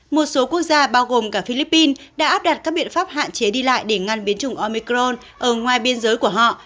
một số quốc gia bao gồm cả philippines đã áp đặt các biện pháp hạn chế đi lại để ngăn biến chủng omicron ở ngoài biên giới của họ